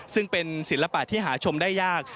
ซึ่งเป็นศิลปะที่หาชมได้ยาก